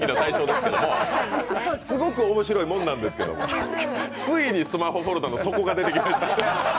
すごく面白いもんなのに、ついにスマホホルダーの底が出てきました。